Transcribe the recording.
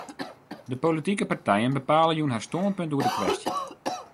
De politike partijen bepale jûn har stânpunt oer de kwestje.